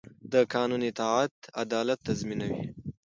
د قانون اطاعت عدالت تضمینوي